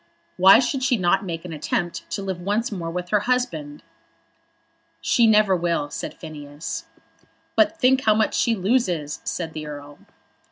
"Why should she not make an attempt to live once more with her husband?" "She never will," said Phineas. "But think how much she loses," said the Earl.